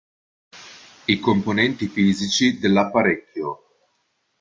I componenti fisici dell'apparecchio.